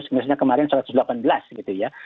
misalnya kemarin satu ratus delapan belas gitu ya